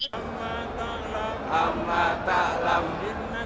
disampaikan kepada jemaah itu